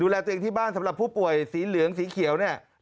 ตัวเองที่บ้านสำหรับผู้ป่วยสีเหลืองสีเขียวเนี่ย